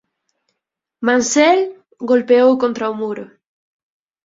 Mansell golpeou contra o muro.